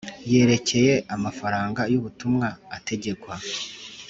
yerekeye amafaranga y’ubutumwa ategekwa